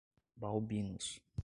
Balbinos